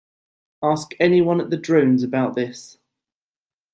Ask anyone at the Drones about this.